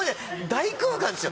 大空間ですよ。